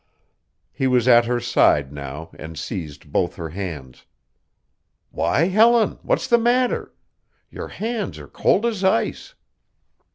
He was at her side now and seized both her hands. "Why, Helen, what's the matter? Your hands are cold as ice."